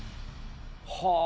はあ。